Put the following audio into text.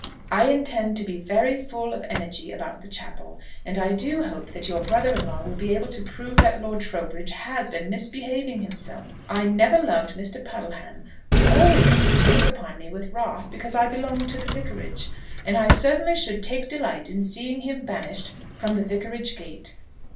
I intend to be very full of energy about the chapel, and I do hope that your brother in law will be able to prove that Lord Trowbridge has been misbehaving himself. I never loved Mr. Puddleham, who always seemed to look upon me with wrath because I belonged to the Vicarage; and I certainly should take delight in seeing him banished from the Vicarage gate.